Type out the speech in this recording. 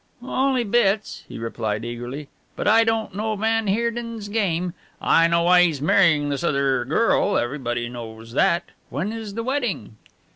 "Only bits," he replied eagerly, "but I don't know van Heerden's game. I know why he's marrying this other girl, everybody knows that. When is the wedding?"